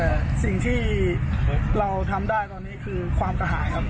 แต่สิ่งที่เราทำได้ตอนนี้คือความกระหายครับ